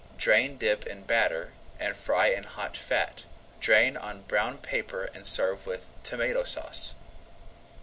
Drain dip in batter, and fry in hot fat. Drain on brown paper and serve with Tomato Sauce.